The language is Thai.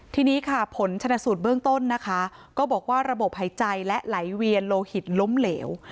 ทีนี้ค่ะผลชนสูตรเบื้องต้นนะคะก็บอกว่าระบบหายใจและไหลเวียนโลหิตล้มเหลว